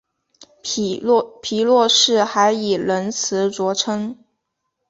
皮洛士还以仁慈着称。